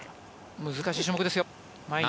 難しい種目ですよ。